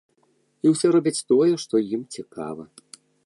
І ўсе робяць тое, што ім цікава.